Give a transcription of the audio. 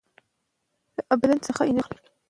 د لوږې له امله بدن د انرژۍ بدیلې سرچینې تولیدوي.